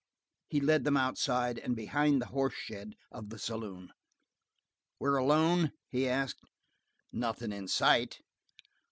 He led them outside, and behind the horse shed of the saloon. "We're alone?" he asked. "Nothin' in sight."